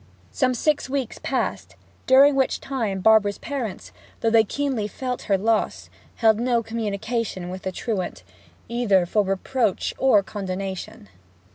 Some six weeks passed, during which time Barbara's parents, though they keenly felt her loss, held no communication with the truant, either for reproach or condonation.